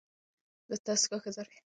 دستګاه ښه ظرفیت لري.